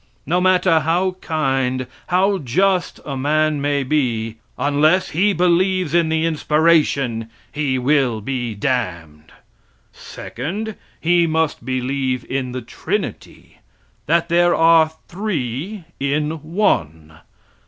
No matter how kind, how just a man may be, unless he believes in the inspiration, he will be damned. Second, he must believe in the trinity. That there are three in one.